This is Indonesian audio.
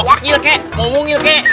mau ngil kek mau mungil kek